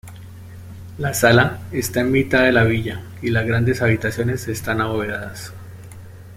La sala está en mitad de la villa, y las grandes habitaciones están abovedadas.